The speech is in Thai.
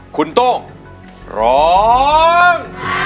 คุณโต้งร้อง